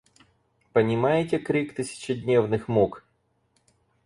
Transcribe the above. Понимаете крик тысячедневных мук?